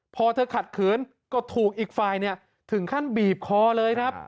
พอเธอขัดขืนก็ถูกอีกฝ่ายถึงขั้นบีบคอเลยครับ